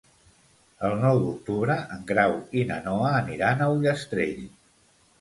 El nou d'octubre en Grau i na Noa aniran a Ullastrell.